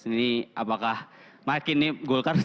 ini apakah makin golkar